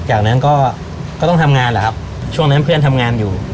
จากนั้นก็ต้องทำงานแหละครับช่วงนั้นเพื่อนทำงานอยู่